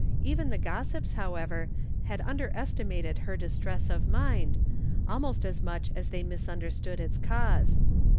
Even the gossips, however, had underestimated her distress of mind, almost as much as they misunderstood its cause.